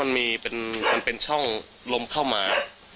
มันเป็นช่องลมเข้ามา